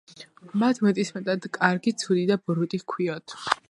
მათ მეტსახელად კარგი, ცუდი და ბოროტი ჰქვიათ.